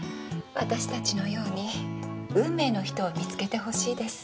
私たちのように運命の人を見つけてほしいです